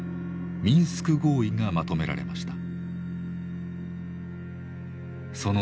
ミンスク合意がまとめられました。